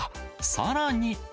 さらに。